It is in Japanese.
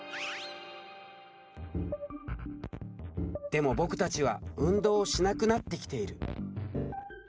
でも僕たちは運動をしなくなってきている。